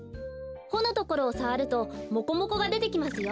ほのところをさわるとモコモコがでてきますよ。